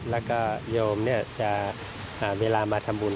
แล้วก็โยมจะเวลามาทำบุญ